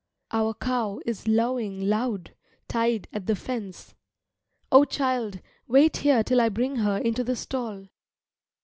Our cow is lowing loud, tied at the fence. O child, wait here till I bring her into the stall.